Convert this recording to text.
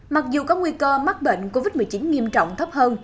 mặc dù có nguy cơ mắc bệnh covid một mươi chín nghiêm trọng thấp hơn